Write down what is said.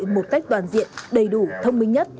một cách toàn diện đầy đủ thông minh nhất